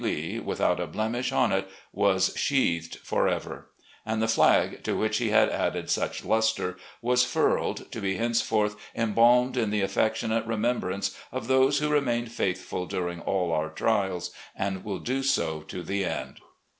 Lee, with out a blemish on it, was sheathed forever ; and the flag, to which he had added such luster, was furled, to be, henceforth, embalmed in the affectionate remembrance of those who remained faithful during all our trials, and will do so to the end."